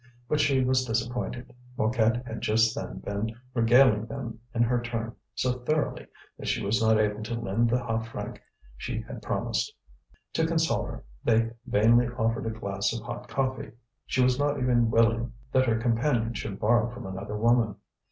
But she was disappointed; Mouquette had just then been regaling them in her turn so thoroughly that she was not able to lend the half franc she had promised. To console her they vainly offered a glass of hot coffee. She was not even willing that her companion should borrow from another woman.